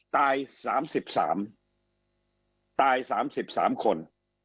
ตาย๓๓ตาย๓๓คน